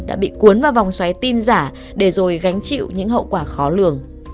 đã bị cuốn vào vòng xoáy tin giả để rồi gánh chịu những hậu quả khó lường